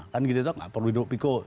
kan gitu tuh nggak perlu hidup piku